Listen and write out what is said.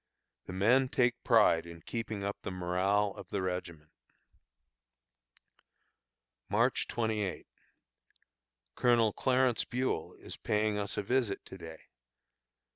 The men take pride in keeping up the morale of the regiment. March 28. Colonel Clarence Buel is paying us a visit to day.